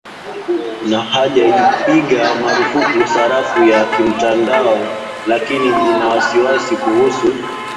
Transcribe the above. na haijapiga marufuku sarafu ya kimtandao lakini ina wasiwasi kuhusu